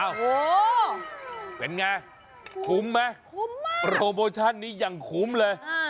โอ้โหเป็นไงคุ้มไหมคุ้มมากโปรโมชั่นนี้อย่างคุ้มเลย